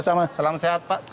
salam sehat pak